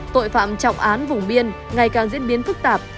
tội phạm trọng án vùng biên ngày càng diễn biến phức tạp